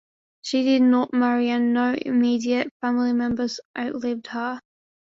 She did not marry and no immediate family members outlived her.